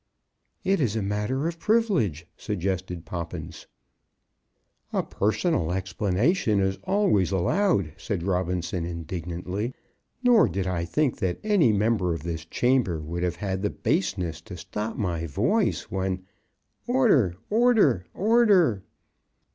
"It is a matter of privilege," suggested Poppins. "A personal explanation is always allowed," said Robinson, indignantly; "nor did I think that any member of this chamber would have had the baseness to stop my voice when " "Order order order!"